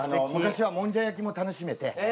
昔はもんじゃ焼きも楽しめて。